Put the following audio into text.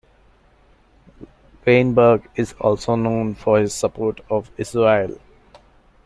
Weinberg is also known for his support of Israel.